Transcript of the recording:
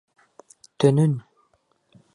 Төнөн!